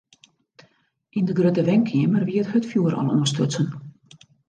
Yn de grutte wenkeamer wie it hurdfjoer al oanstutsen.